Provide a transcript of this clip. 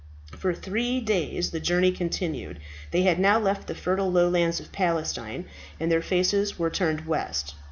For three days the journey continued; they had now left the fertile lowlands of Palestine, and their faces were turned west.